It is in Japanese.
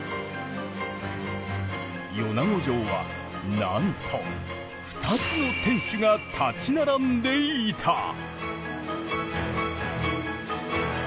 米子城はなんと２つの天守が立ち並んでいた。